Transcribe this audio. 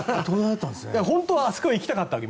本当はあそこに行きたかった。